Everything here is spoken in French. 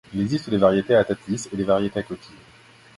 Il existe des variétés à tête lisse et des variétés à coquille.